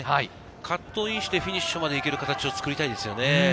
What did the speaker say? カットインしてフィニッシュまでいける形を作りたいですね。